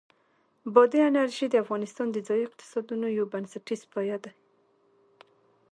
بادي انرژي د افغانستان د ځایي اقتصادونو یو بنسټیز پایایه دی.